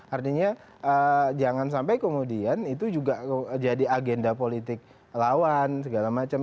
artinya jangan sampai kemudian itu juga jadi agenda politik lawan segala macam